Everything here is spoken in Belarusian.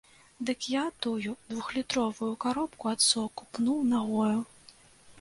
Дык я тую двухлітровую каробку ад соку пнуў нагою.